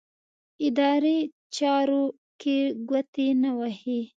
اداري چارو کې ګوتې نه وهي.